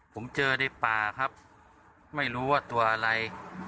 ผมเจอในป่าครับไม่รู้ว่าตัวอะไร